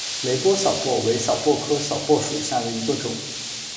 雷波小檗为小檗科小檗属下的一个种。